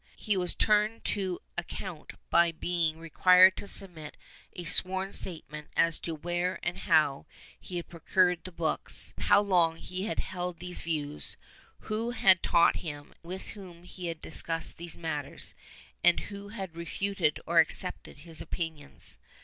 He was turned to account by being required to submit a sworn statement as to where and how he had procured the books, how long he had held these views, who had taught him, with whom had he discussed these matters, and who had refuted or accepted his opinions.